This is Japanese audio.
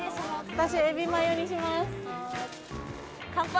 私海老マヨにします乾杯！